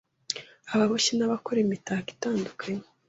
ababoshyi n’abakora imitako itandukanye.